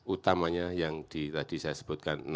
utamanya yang tadi saya sebutkan